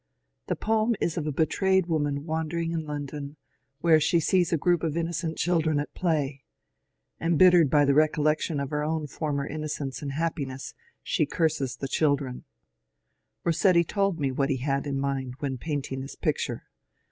The poem is of a betrayed woman wandering in London, where she sees a group of innocent children at play ; embittered by the recol lection of her own former innocence and happiness, she curses the children. Bossetti told me what he had in mind when painting this picture.